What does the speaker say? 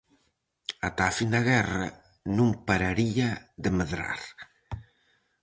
Ata a fin da guerra, non pararía de medrar.